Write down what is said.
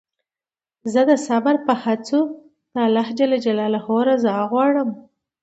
زه د صبر په هڅو د خدای رضا غواړم.